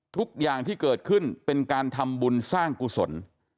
ทุกอย่างที่เกิดขึ้นเป็นการทำบุญสร้างกุศล